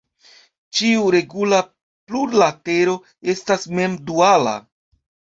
Ĉiu regula plurlatero estas mem-duala.